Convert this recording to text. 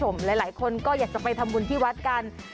หลายคนก็อยากจะไปทำบุญที่วัดกัน